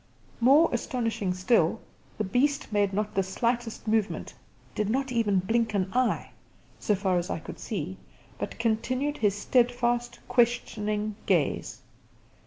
More astonishing still, the beast made not the slightest movement did not even blink an eye, so far as I could see but continued his steadfast, questioning gaze.